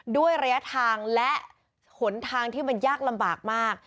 ด้วยระยะทางและหนทางที่มันยากลำบากมาก